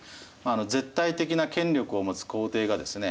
絶対的な権力を持つ皇帝がですね